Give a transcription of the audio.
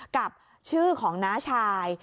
กับชื่อของน้าชาย